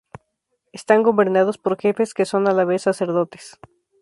Están gobernados por jefes que son a la vez sacerdotes.